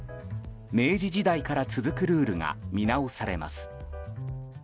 明治時代から続くルールが見直されます。